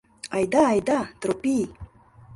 Айда, айда, Тропий!